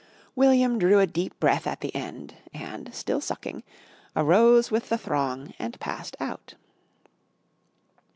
William drew a deep breath at the end, and still sucking, arose with the throng and passed out.